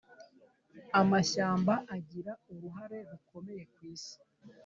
Amashyamba agira uruhare rukomeye kwisi.